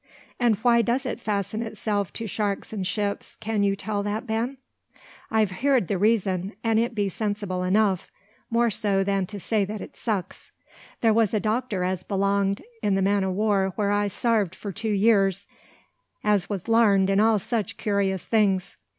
"And why does it fasten itself to sharks and ships, can you tell that, Ben?" "I've heerd the reason, and it be sensible enough, more so than to say that it sucks. There was a doctor as belonged in the man o' war where I sarved for two years, as was larned in all such curious things.